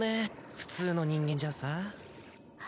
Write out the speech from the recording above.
普通の人間じゃさあ。